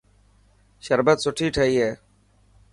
شربت سٺي ٺاهي هي.